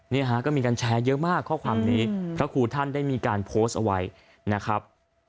นี่ฮะก็มีการแชร์เยอะมากข้อความนี้พระครูท่านได้มีการโพสต์เอาไว้นะครับ